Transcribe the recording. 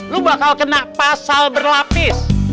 lu bakal kena pasal berlapis